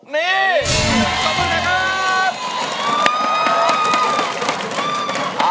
นี่ขอบคุณนะครับ